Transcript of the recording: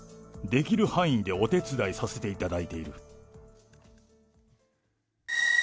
できる範囲でお手伝いさせていただいている。